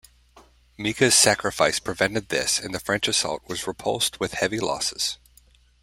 Micca's sacrifice prevented this, and the French assault was repulsed with heavy losses.